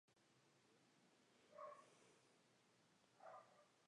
El documental fue narrado por Kenneth Branagh.